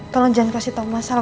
tolong jangan kasih tahu masalah